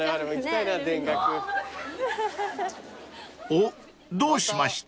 ［おっ？どうしました？］